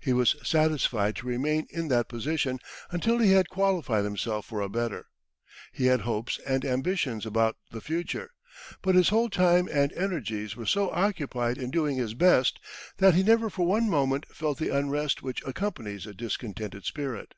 He was satisfied to remain in that position until he had qualified himself for a better. He had hopes and ambitions about the future, but his whole time and energies were so occupied in doing his best, that he never for one moment felt the unrest which accompanies a discontented spirit.